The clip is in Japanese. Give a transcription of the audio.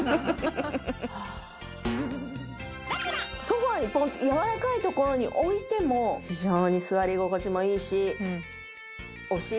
ソファにポンと柔らかいところに置いても非常に座り心地もいいし。